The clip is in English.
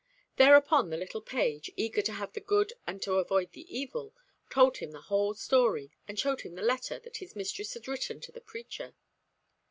Thereupon the little page, eager to have the good and to avoid the evil, told him the whole story, and showed him the letter that his mistress had written to the preacher.